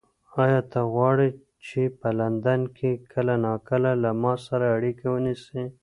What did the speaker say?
ایا ته غواړې چې په لندن کې کله ناکله له ما سره اړیکه ونیسې؟